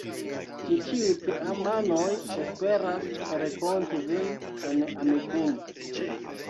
Ni ĉiuj teamanoj esperas renkonti vin en Amikumu.